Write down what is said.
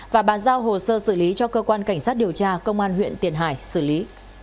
và bàn giao hồ sơ xử lý cho cơ quan cảnh sát điều tra công an huyện tiền hải xử lý